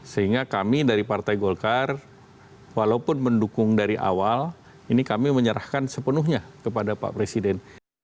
sehingga kami dari partai golkar walaupun mendukung dari awal ini kami menyerahkan sepenuhnya kepada pak presiden